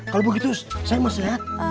kalau begitu saya masih sehat